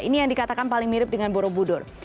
ini yang dikatakan paling mirip dengan borobudur